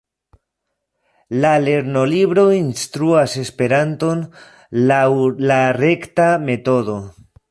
La lernolibro instruas Esperanton laŭ la rekta metodo.